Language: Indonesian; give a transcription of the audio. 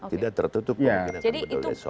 tidak tertutup kemungkinan akan bedul desa